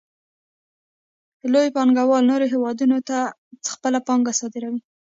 لوی پانګوال نورو هېوادونو ته خپله پانګه صادروي